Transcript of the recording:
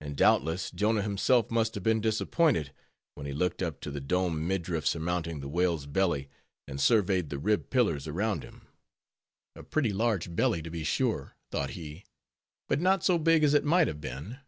And, doubtless, Jonah himself must have been disappointed when he looked up to the domed midriff surmounting the whale's belly, and surveyed the ribbed pillars around him. A pretty large belly, to be sure, thought he, but not so big as it might have been.